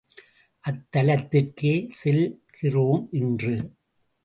அத்தலத்திற்கே செல்கிறோம் இன்று.